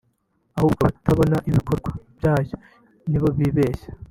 ahubwo abatabona ibikorwa byayo nibo bibeshya”